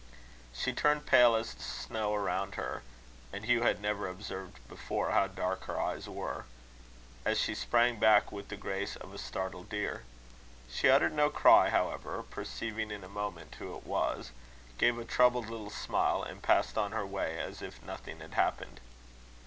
She turned pale as the snow around her (and Hugh had never observed before how dark her eyes were), as she sprang back with the grace of a startled deer. She uttered no cry, however, perceiving in a moment who it was, gave a troubled little smile, and passed on her way as if nothing had happened.